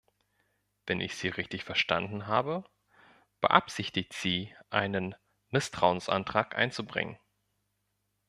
Wenn ich sie richtig verstanden habe, beabsichtigt sie, einen Misstrauensantrag einzubringen.